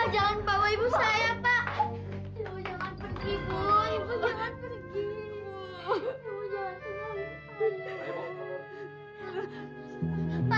pak jangan bawa ibu saya pak